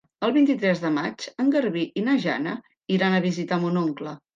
El vint-i-tres de maig en Garbí i na Jana iran a visitar mon oncle.